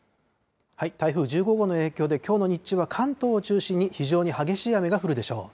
台風１５号の影響で、きょうの日中は関東を中心に非常に激しい雨が降るでしょう。